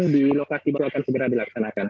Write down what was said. di lokasi baru akan segera dilaksanakan